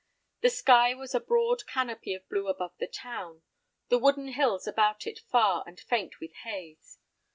The sky was a broad canopy of blue above the town, the wooded hills about it far and faint with haze.